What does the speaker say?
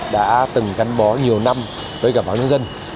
đã từng gắn bó nhiều năm với cả báo nhân dân